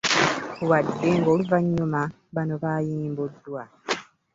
Wadde ng'oluvannyuma bano bayimbuddwa.